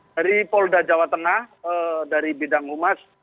dari polda jawa tengah dari bidang humas